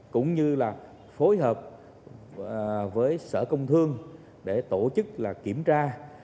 cũng như là phối hợp với sở công thương để tổ chức kiểm tra